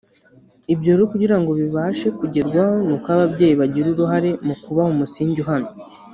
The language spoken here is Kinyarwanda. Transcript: Ibyo rero kugira ngo bibashe kugerwaho ni uko ababyeyi bagira uruhare mu kubaha umusingi uhamye